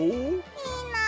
いいなあ。